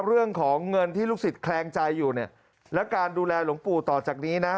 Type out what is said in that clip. เรื่องของเงินที่ลูกศิษย์แคลงใจอยู่เนี่ยและการดูแลหลวงปู่ต่อจากนี้นะ